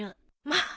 まあ。